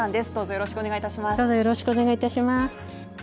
よろしくお願いします。